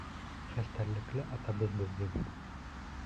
Хәстәрлекле атабыҙ беҙҙең.